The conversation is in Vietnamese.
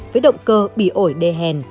với động cơ bị ổi đề hèn